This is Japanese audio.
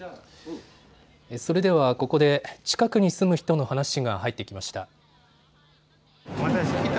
それではここで近くに住む人の話が入ってきました。